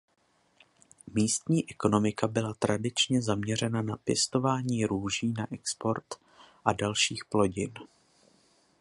Místní ekonomika byla tradičně zaměřena na pěstování růží na export a dalších plodin.